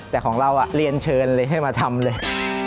แต่ของเราเรียนเชิญเลยให้มาทำเลย